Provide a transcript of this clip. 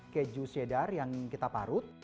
keju cheddar yang kita parut